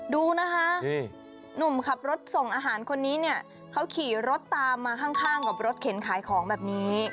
ดูนะคะหนุ่มขับรถส่งอาหารคนนี้เนี่ยเขาขี่รถตามมาข้างกับรถเข็นขายของแบบนี้